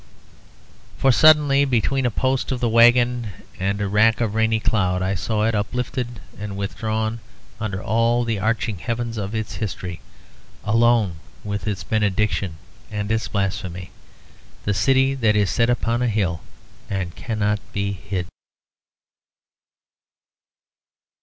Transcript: For suddenly, between a post of the wagon and a wrack of rainy cloud I saw it, uplifted and withdrawn under all the arching heavens of its history, alone with its benediction and its blasphemy, the city that is set upon a hill, and cannot be hid.